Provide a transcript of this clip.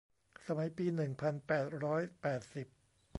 สมัยปีหนึ่งพันแปดร้อยแปดสิบ